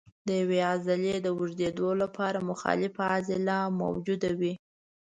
د یوې عضلې د اوږدېدو لپاره مخالفه عضله موجوده وي.